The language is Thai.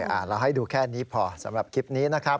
เราให้ดูแค่นี้พอสำหรับคลิปนี้นะครับ